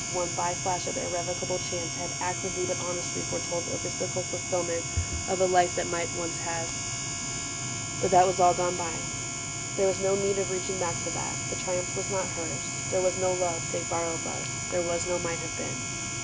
One by flash of irrevocable chance, Had acridly but honestly foretold The mystical fulfillment of a life That might have once ... But that was all gone by : There was no need of reaching back for that : The triumph was not hers : there was no love Save borrowed love : there was no might have been.